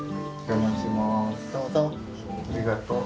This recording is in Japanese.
ありがと。